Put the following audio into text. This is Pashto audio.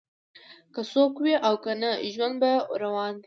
که څوک وي او کنه ژوند به روان وي